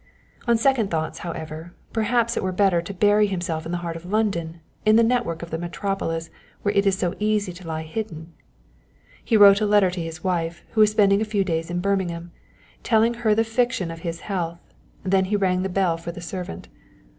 On second thoughts, however, perhaps it were better to bury himself in the heart of London, in the network of the metropolis where it is so easy to lie hidden. He wrote a letter to his wife, who was spending a few days in Birmingham, telling her the fiction of his health, then he rang the bell for the servant.